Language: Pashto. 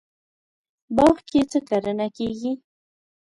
باغ کې څه کرنه کیږي؟